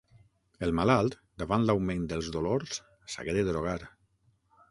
El malalt, davant l'augment dels dolors, s'hagué de drogar.